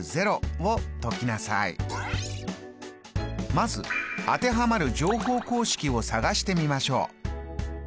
まず当てはまる乗法公式を探してみましょう。